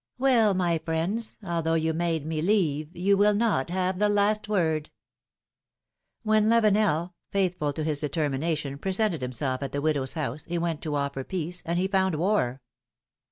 Well, my friends, although you made me leave, you will not have the last word ! When Lavenel, faithful to his determination, presented himself at the widow's house, he went to offer peace, and he found war.